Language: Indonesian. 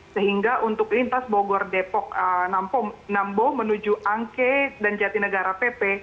sehingga untuk lintas bogor depok nambo menuju angke dan jatinegara pp